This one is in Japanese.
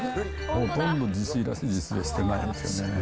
ほとんど自炊らしい自炊はしてないですよね。